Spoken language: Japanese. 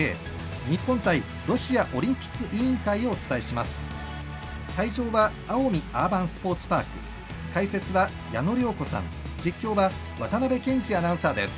日本対ロシアオリンピック委員会をお伝えします。